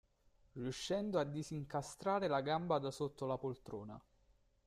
Riuscendo a disincastrare la gamba da sotto la poltrona.